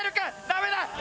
ダメだ！